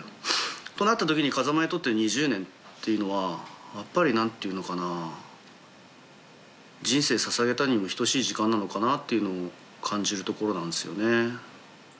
となった時に風真にとっての２０年っていうのはやっぱり何ていうのかな人生ささげたにも等しい時間なのかなっていうのを感じるところなんですよね。